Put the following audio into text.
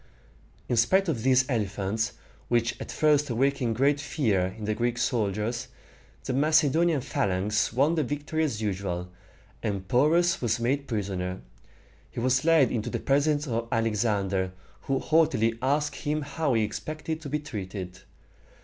In spite of these elephants, which at first awakened great fear in the Greek soldiers, the Macedonian phalanx won the victory as usual, and Porus was made prisoner. He was led into the presence of Alexander, who haughtily asked him how he expected to be treated.